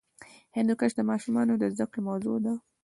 هندوکش د ماشومانو د زده کړې موضوع ده.